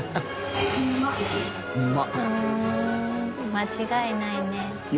間違いないね。